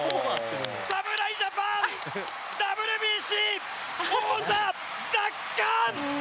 侍ジャパンＷＢＣ王座奪還！